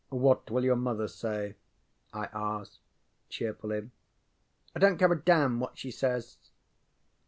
ŌĆ£What will your mother say? ŌĆØ I asked, cheerfully. ŌĆ£I donŌĆÖt care a damn what she says.